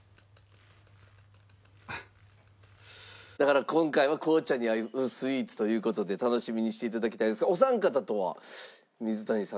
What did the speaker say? だから今回は紅茶に合うスイーツという事で楽しみにして頂きたいんですがお三方とは水谷さん寺脇さんはどうですか？